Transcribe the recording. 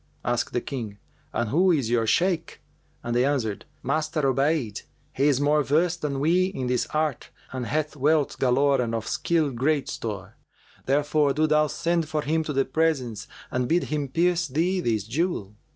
Asked the King, 'And who is your Shaykh?'; and they answered, 'Master Obayd: he is more versed than we in this art and hath wealth galore and of skill great store. Therefore do thou send for him to the presence and bid him pierce thee this jewel.'